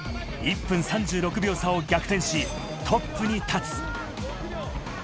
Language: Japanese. １分３６秒差を逆転しトップに立つ。